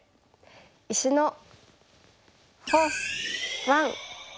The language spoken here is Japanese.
「石のフォース１」。